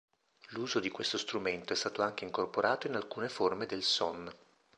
L'uso di questo strumento è stato anche incorporato in alcune forme del "son".